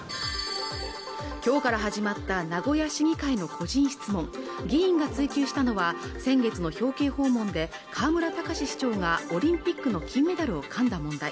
今日から始まった名古屋市議会の個人質問議員が追及したのは先月の表敬訪問で河村たかし市長がオリンピックの金メダルを噛んだ問題